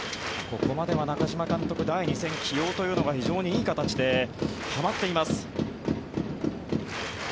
ここまでは中嶋監督第２戦起用というのが非常にいい形ではまっています。